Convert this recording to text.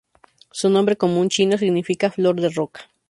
Su nombre común chino significa ‘flor de roca’.